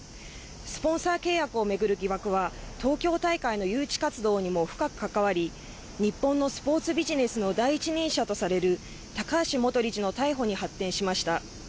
スポンサー契約を巡る疑惑は東京大会の誘致活動にも深く関わり、日本のスポーツビジネスの第一人者とされる高橋元理事の逮捕に発展しました。